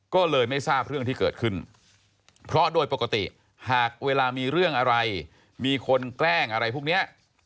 ก็เลยไม่ทราบเรื่องที่เกิดขึ้นเพราะโดยปกติหากเวลามีเรื่องอะไรมีคนแกล้งอะไรพวกนี้